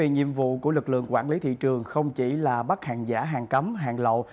nhiệm vụ của lực lượng quản lý thị trường không chỉ là bắt hàng giả hàng cấm hàng lậu